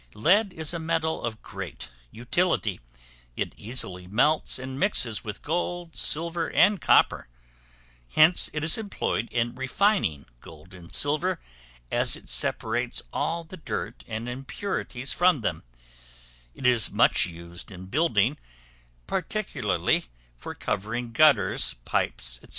Lead is a metal of great utility; it easily melts and mixes with gold, silver, and copper; hence it is employed in refining gold and silver, as it separates all the dirt and impurities from them; it is much used in building, particularly for covering gutters, pipes, &c.